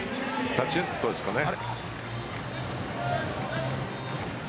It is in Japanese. タッチネットですかね。